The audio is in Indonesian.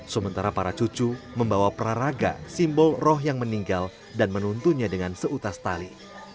sementara para cucu membawa praraga simbol roh yang meninggal dan menuntunnya dengan seutas tali